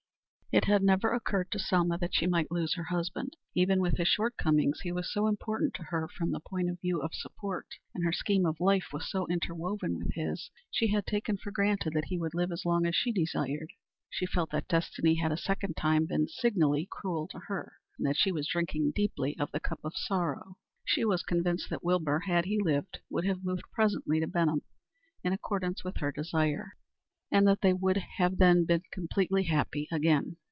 It had never occurred to Selma that she might lose her husband. Even with his shortcomings he was so important to her from the point of view of support, and her scheme of life was so interwoven with his, she had taken for granted that he would live as long as she desired. She felt that destiny had a second time been signally cruel to her, and that she was drinking deeply of the cup of sorrow. She was convinced that Wilbur, had he lived, would have moved presently to Benham, in accordance with her desire, and that they would then have been completely happy again.